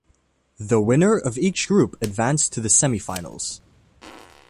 The winner of each group advanced to the semi-finals.